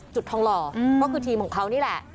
จุดทองหล่อก็คือทีมของเขานี่แหละ